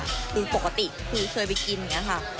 คือปกติคือเคยไปกินอย่างนี้ค่ะ